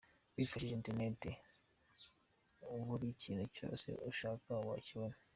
Wifashishije interineti, buri kintu cyose ushaka wakibona .